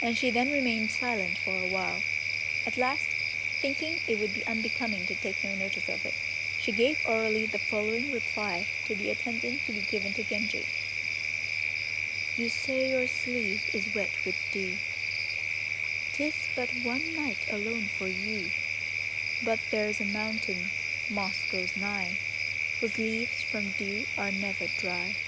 And she then remained silent for a while. At last, thinking it would be unbecoming to take no notice of it, she gave orally the following reply to the attendant to be given to Genji: "You say your sleeve is wet with dew, 'Tis but one night alone for you, But there's a mountain moss grows nigh, Whose leaves from dew are never dry."